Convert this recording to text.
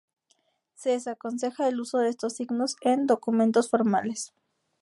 Se desaconseja el uso de estos signos en documentos formales.